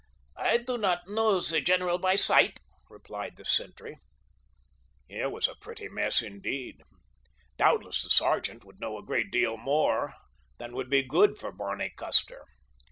"I do not know the general by sight," replied the sentry. Here was a pretty mess, indeed. Doubtless the sergeant would know a great deal more than would be good for Barney Custer.